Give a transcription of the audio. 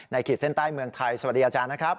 ขีดเส้นใต้เมืองไทยสวัสดีอาจารย์นะครับ